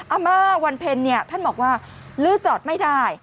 อาม่าวันเพ็ญท่านบอกว่าลื้อจอดไม่ได้